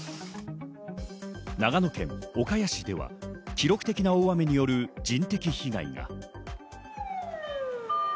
長野県岡谷市では、記録的な大雨による人的被害が。